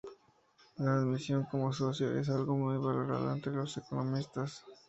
La admisión como socio es algo muy valorado entre los economistas.